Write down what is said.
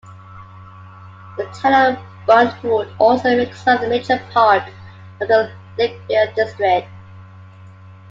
The town of Burntwood also makes up a major part of the Lichfield district.